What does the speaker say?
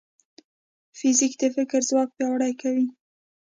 فزیک د فکر ځواک پیاوړی کوي.